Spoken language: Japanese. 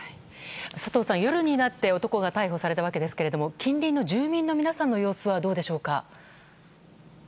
佐藤さん、夜になって男が逮捕されたわけですが近隣の住民の皆さんの様子はどうでしょうか。